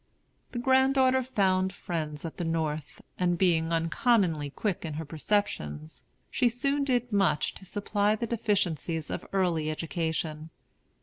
[The granddaughter found friends at the North, and, being uncommonly quick in her perceptions, she soon did much to supply the deficiencies of early education.